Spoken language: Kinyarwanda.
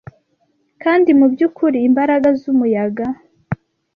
kandi mubyukuri imbaraga zumuyaga